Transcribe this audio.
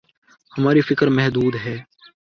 ہماری فکر محدود ہے۔